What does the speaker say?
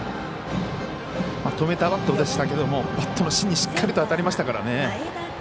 止めたバットでしたがバットの芯にしっかりと当たりましたからね。